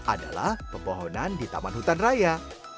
adalah pepohonan di taman hutan raya